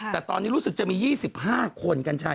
แต่ตอนนี้รู้สึกจะมี๒๕คนกัญชัย